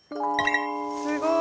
すごい。